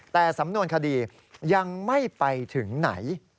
แต่สำนวนคดียังไม่ไปถึงไหน